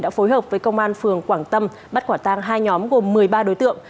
đã phối hợp với công an phường quảng tâm bắt quả tang hai nhóm gồm một mươi ba đối tượng